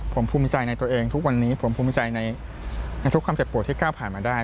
ผมภูมิใจในตัวเองทุกวันนี้ผมภูมิใจในทุกความเจ็บปวดที่ก้าวผ่านมาได้